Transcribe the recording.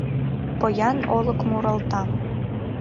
Поян Олык муралта